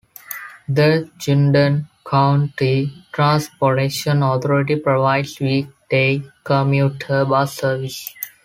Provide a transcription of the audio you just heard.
The Chittenden County Transportation Authority provides weekday commuter bus service.